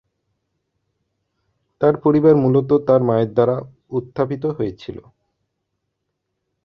তার পরিবার মূলত তার মায়ের দ্বারা উত্থাপিত হয়েছিল।